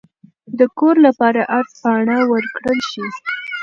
د کور لپاره عرض پاڼه ورکړل شي.